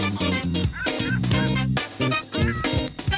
โอเคโอเค